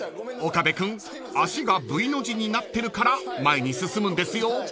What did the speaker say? ［岡部君足がＶの字になってるから前に進むんですよ］